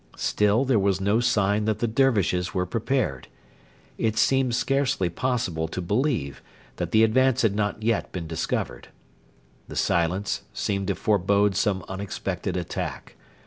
Still there was no sign that the Dervishes were prepared. It seemed scarcely possible to believe that the advance had not yet been discovered. The silence seemed to forbode some unexpected attack.